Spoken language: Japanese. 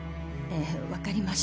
ええ分かりました。